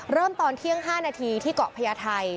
ตอนเที่ยง๕นาทีที่เกาะพญาไทย